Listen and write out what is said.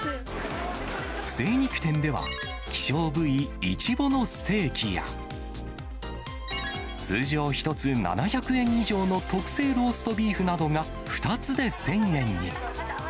精肉店では、希少部位、イチボのステーキや、通常１つ７００円以上の特製ローストビーフなどが２つで１０００円に。